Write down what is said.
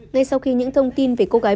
ngay sau khi những thông tin về cô gái